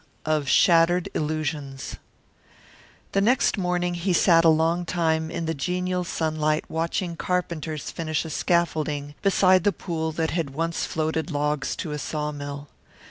OF SHATTERED ILLUSIONS The next morning he sat a long time in the genial sunlight watching carpenters finish a scaffolding beside the pool that had once floated logs to a sawmill.